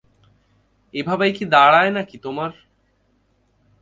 এভাবেই কি দাঁড়ায় নাকি তোমার?